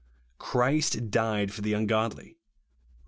Christ died for the angodly," (Kom.